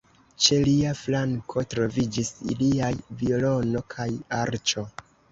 Ĉe lia flanko troviĝis liaj violono kaj arĉo.